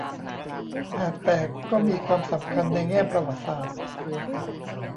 หากแต่ก็มีความสำคัญในแง่ประวัติศาสตร์